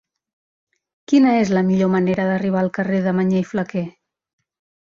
Quina és la millor manera d'arribar al carrer de Mañé i Flaquer?